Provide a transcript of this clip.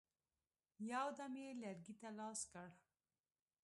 یو دم یې لرګي ته لاس کړ.